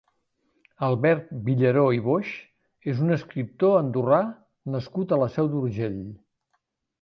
Albert Villaró i Boix és un escriptor andorrà nascut a la Seu d'Urgell.